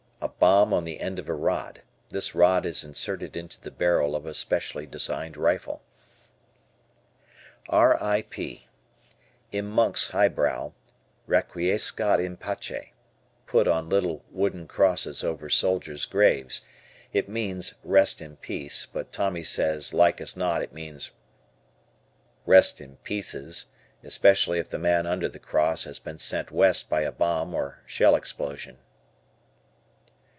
A bomb on the end of a rod. This rod is inserted into the barrel of a specially designed rifle. "R.I.P." In monk's highbrow, "Requiscat in pace," put on little wooden crosses over soldier's graves. It means "Rest in peace," but Tommy says like as not it means "Rest in pieces," especially if the man under the cross has been sent West by a bomb or shell explosion.